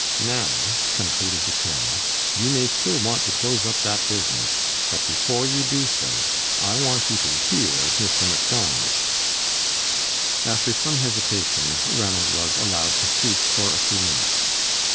Now," concluded the colonel, "you may still want to close up that business, but before you do so, I want you to hear Mr. Macdonald." After some hesitation, Ranald was allowed to speak for a few minutes.